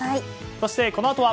そしてこのあとは